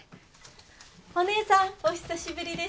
お義姉さんお久しぶりです。